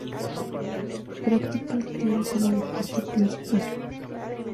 Practica el tiro como deporte principal.